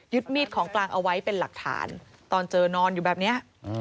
มีดของกลางเอาไว้เป็นหลักฐานตอนเจอนอนอยู่แบบนี้